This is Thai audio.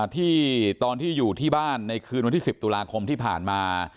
ที่ตอนที่อยู่ที่บ้านในคืนวันที่๑๐ตุลาคมที่ผ่านมา